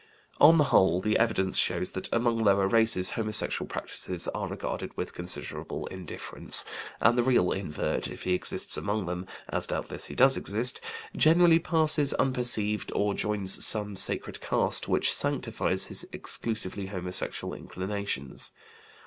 On the whole, the evidence shows that among lower races homosexual practices are regarded with considerable indifference, and the real invert, if he exists among them, as doubtless he does exist, generally passes unperceived or joins some sacred caste which sanctifies his exclusively homosexual inclinations.